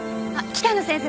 北野先生。